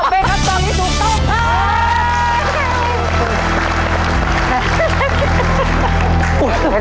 ไปครับตอนนี้ถูกต้อง